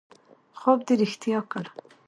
خوب دې رښتیا کړ